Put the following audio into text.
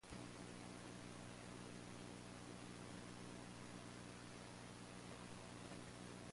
The name Yaqub Beg was used for a son of Yulbars Khan.